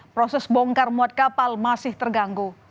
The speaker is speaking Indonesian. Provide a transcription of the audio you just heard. proses bongkar muat kapal masih terganggu